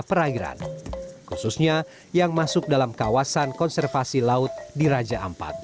perairan khususnya yang masuk dalam kawasan konservasi laut di raja ampat